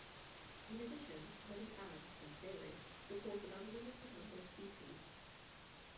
In addition, many can, in theory, support an unlimited number of species.